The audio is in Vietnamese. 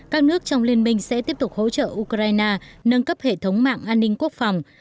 các nước trong liên minh sẽ tiếp tục hỗ trợ ukraine nâng cấp hệ thống mạng an ninh quốc phòng